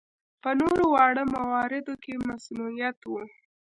په نورو واړه مواردو کې مصنوعیت و.